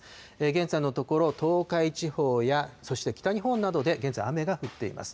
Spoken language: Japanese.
現在のところ、東海地方やそして北日本などで現在、雨が降っています。